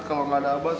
kalau gak ada abah